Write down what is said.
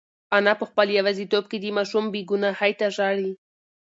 انا په خپل یوازیتوب کې د ماشوم بېګناهۍ ته ژاړي.